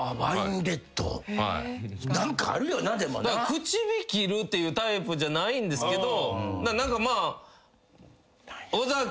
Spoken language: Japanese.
口火切るっていうタイプじゃないんですけど何かまあ。